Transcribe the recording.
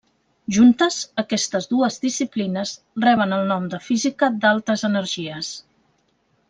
Juntes, aquestes dues disciplines reben el nom de física d'altes energies.